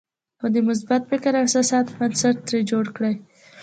او د مثبت فکر او احساساتو بنسټ ترې جوړ کړئ.